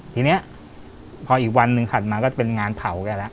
ทีนี้พออีกวันหนึ่งถัดมาก็เป็นงานเผาแกแล้ว